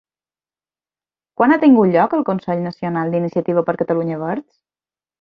Quan ha tingut lloc el Consell Nacional d'Iniciativa per Catalunya Verds?